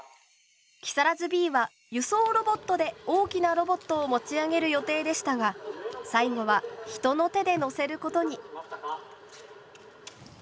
木更津Ｂは輸送ロボットで大きなロボットを持ち上げる予定でしたが最後は人の手でのせることに。